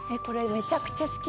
めちゃくちゃ好きです。